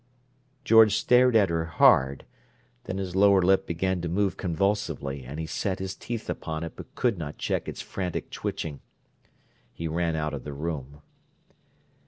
George stared at her hard, then his lower lip began to move convulsively, and he set his teeth upon it but could not check its frantic twitching. He ran out of the room.